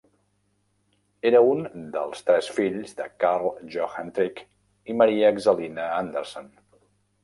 Era un dels tres fills de Carl Johan Trygg i Maria Axelina Andersson.